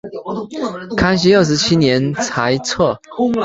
康熙二十七年裁撤。